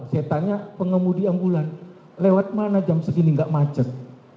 saya tanya pengemudi ambulan lewat mana jam segini nggak macet